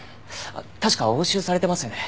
確か押収されてますよね。